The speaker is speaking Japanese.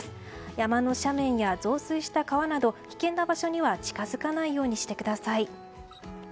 山の斜面や増水した川など危険な場所には近づかないようにしてください。